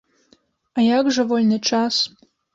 А як жа вольны час?